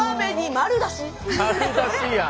丸出しやん。